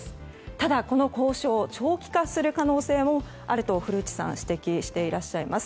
ただ、この交渉長期化する可能性もあると古内さんは指摘していらっしゃいます。